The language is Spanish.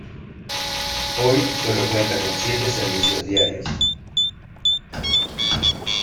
Hoy sólo cuenta con siete servicios diarios.